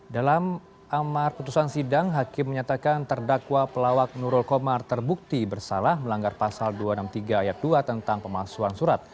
dalam amar putusan sidang hakim menyatakan terdakwa pelawak nurul komar terbukti bersalah melanggar pasal dua ratus enam puluh tiga ayat dua tentang pemalsuan surat